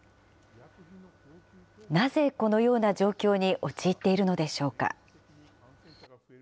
なぜこのような状況に陥っているのでしょうか。